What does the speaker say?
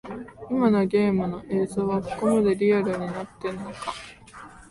今のゲームの映像はここまでリアルになってんのか